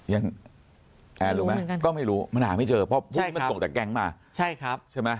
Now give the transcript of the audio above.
ยังแอร์รู้ไหมก็ไม่รู้มันหาไม่เจอเพราะมันกล่องจากแก๊งมาใช่ไหม